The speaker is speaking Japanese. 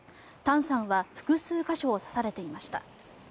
タンさんは複数箇所を刺されていました。